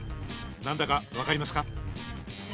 なんだかわかりますか？